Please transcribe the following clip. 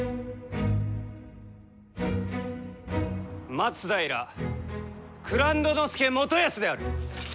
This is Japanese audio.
松平蔵人佐元康である！